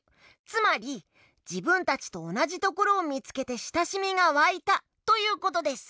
つまりじぶんたちとおなじところをみつけてしたしみがわいたということです。